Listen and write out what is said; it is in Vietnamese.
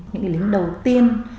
những lính đầu tiên